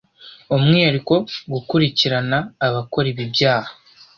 umwihariko gukurikirana abakora ibi byaha,